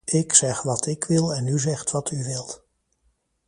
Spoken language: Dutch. Ik zeg wat ik wil en u zegt wat u wilt.